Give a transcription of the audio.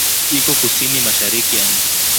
Iko kusini-mashariki ya nchi.